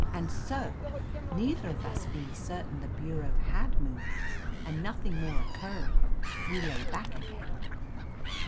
And so, neither of us being certain the bureau had moved, and nothing more occurring, we lay back again.